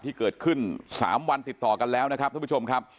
ที่เกิดขึ้น๓วันติดต่อกันแล้วนะครับท่านผู้ชมครับ